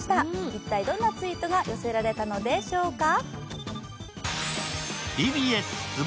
一体どんなツイートが寄せられたのでしょうか。